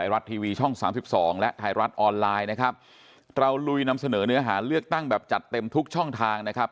เราลุยนำเสนอเนื้อหาเลือกตั้งแบบจัดเต็มทุกช่องทางนะครับ